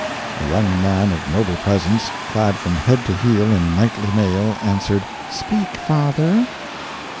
A young man of noble presence, clad from head to heel in knightly mail, answered: "Speak, father!"